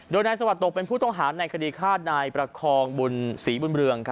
โดยนายสวัสดิตกเป็นผู้ต้องหาในคดีฆ่านายประคองบุญศรีบุญเรือง